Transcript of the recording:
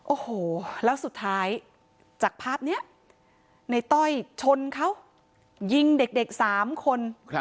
โอ้โหแล้วสุดท้ายจากภาพนี้ในต้อยชนเขายิงเด็ก๓คน